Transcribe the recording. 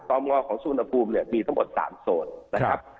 มอของสุวรรณภูมิเนี่ยมีทั้งหมด๓โซนนะครับ